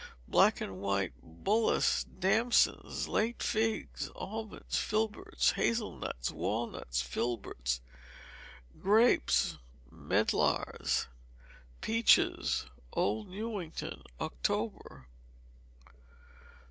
Black and white bullace, damsons, late figs, almonds, filberts, hazel nuts, walnuts, filberts. Grapes, medlars. Peaches: Old Newington, October.